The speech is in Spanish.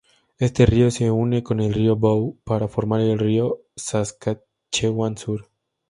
Este río se une con el río Bow para formar el río Saskatchewan Sur.